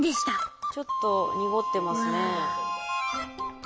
ちょっと濁ってますね。